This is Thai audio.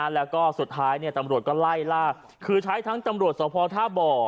แล้วก็สุดท้ายตำรวจก็ไล่ล่าคือใช้ทั้งตำรวจสภท่าบ่อ